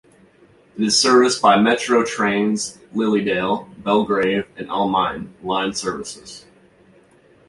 It is serviced by Metro Trains' Lilydale, Belgrave and Alamein line services.